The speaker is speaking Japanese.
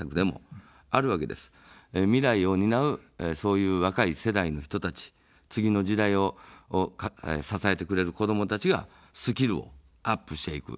未来を担う、そういう若い世代の人たち、次の時代を支えてくれる子どもたちがスキルをアップしていく。